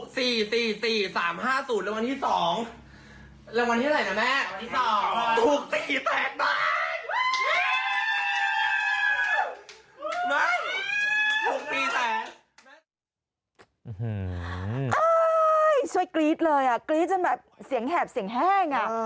ช่วยกรี๊ดเลยอ่ะกรี๊ดจนแบบเสียงแหบเสียงแห้งอ่ะ